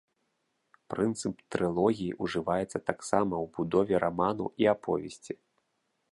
Прынцып трылогіі ўжываецца таксама ў будове раману і аповесці.